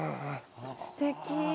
すてき。